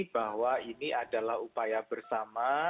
bahwa ini adalah upaya bersama